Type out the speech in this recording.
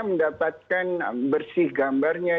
mendapatkan bersih gambarnya